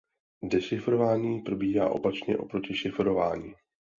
Dešifrování probíhá opačně oproti šifrování.